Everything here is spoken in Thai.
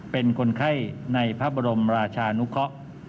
เป็นคนไข้ในพระบรมราชานุเคาะ